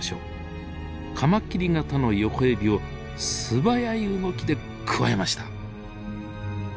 カマキリ型のヨコエビを素早い動きでくわえました。